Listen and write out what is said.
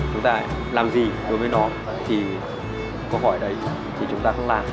chúng ta làm gì đối với nó thì có hỏi đấy thì chúng ta cứ làm